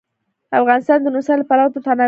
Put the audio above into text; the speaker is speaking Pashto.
افغانستان د نورستان له پلوه متنوع دی.